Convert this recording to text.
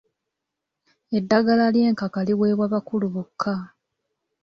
Eddagala ly'enkaka liweebwa bakulu bokka.